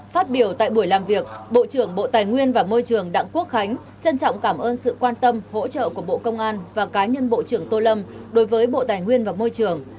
phát biểu tại buổi làm việc bộ trưởng bộ tài nguyên và môi trường đảng quốc khánh trân trọng cảm ơn sự quan tâm hỗ trợ của bộ công an và cá nhân bộ trưởng tô lâm đối với bộ tài nguyên và môi trường